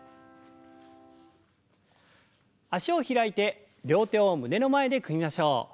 脚を開いて両手を胸の前で組みましょう。